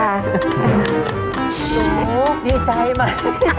โอ้โหดีใจมาก